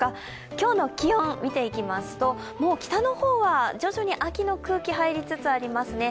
今日の気温見ていきますと、北の方は徐々に秋の空気入りつつありますね。